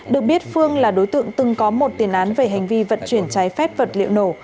được biết phương là đối tượng từng có một tiền án về hành vi vận chuyển trái phép vật liệu nổ